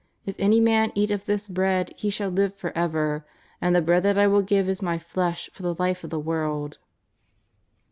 If any man eat of this Bread he shall live for ever, and the Bread that I will give is My flesh for the life of the world."